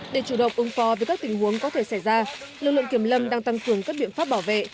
để chủ động ứng phó với các tình huống có thể xảy ra lực lượng kiểm lâm đang tăng cường các biện pháp bảo vệ